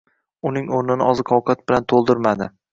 Uning oʻrnini oziq-ovqat bilan toʻldirmadi